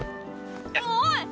おい⁉